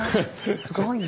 すごいね。